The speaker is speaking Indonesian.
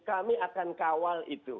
kami akan kawal itu